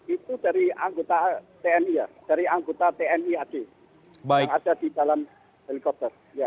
itu dari anggota tni ad yang ada di dalam helikopter